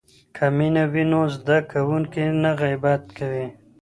که مینه وي نو زده کوونکی نه غیبت کوي.